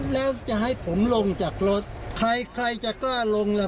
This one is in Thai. แล้วจะให้ผมลงจากรถใครใครจะกล้าลงล่ะ